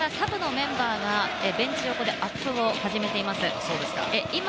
その瞬間からサブのメンバーがベンチ横でアップを始めています。